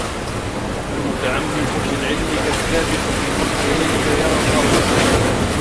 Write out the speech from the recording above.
الْمُتَعَمِّقُ فِي الْعِلْمِ كَالسَّابِحِ فِي الْبَحْرِ لَيْسَ يَرَى أَرْضًا